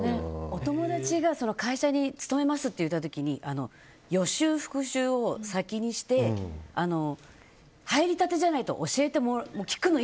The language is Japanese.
お友達が会社に勤めますっていった時に予習・復習を先にして入りたてじゃないと聞くの